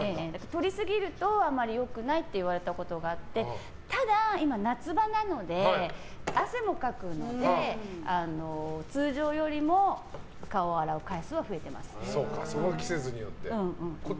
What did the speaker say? とりすぎるとあまり良くないと言われたことがあってただ、今、夏場なので汗もかくので通常よりもお顔を洗う回数は季節によってと。